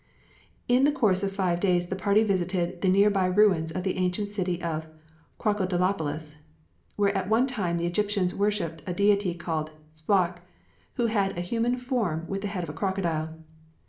In the course of five days the party visited the near by ruins of the ancient city of Crocodilopolis, where at one time the Egyptians worshipped a deity called Sobk, which had a human form with the head of a crocodile.